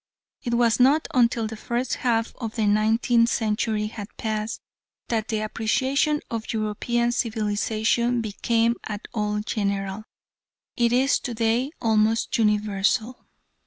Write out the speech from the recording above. It was not until the first half of the nineteenth century had passed that the appreciation of European civilisation became at all general; it is to day almost universal.